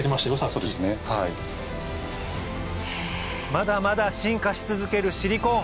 まだまだ進化し続けるシリコーン